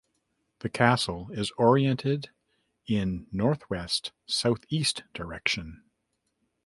The castle is oriented in northwest–southeast direction.